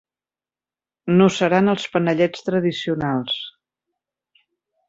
No seran els panellets tradicionals.